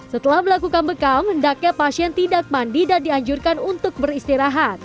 setelah melakukan bekam hendaknya pasien tidak mandi dan dianjurkan untuk beristirahat